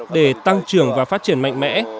để tăng trưởng và phát triển mạnh mẽ